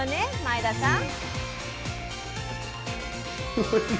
前田さん！